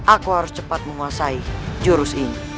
aku harus cepat menguasai jurus ini